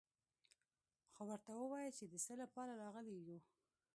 خو ورته ووايه چې د څه له پاره راغلي يو.